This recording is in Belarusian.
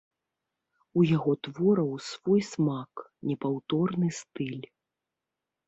У яго твораў свой смак, непаўторны стыль.